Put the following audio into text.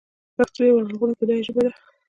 پښتو یوه لرغونې او بډایه ژبه ده.